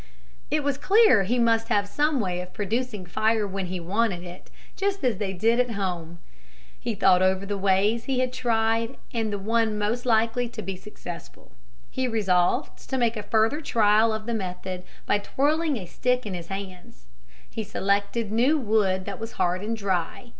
It was clear he must have some way of producing fire when he wanted it, just as they did at home. He thought over the ways he had tried and the one most likely to be successful. He resolved to make a further trial of the method by twirling a stick in his hands. He selected new wood that was hard and dry.